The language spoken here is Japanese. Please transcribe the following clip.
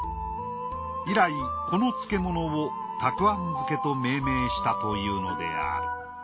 以来この漬物をたくあん漬けと命名したというのである。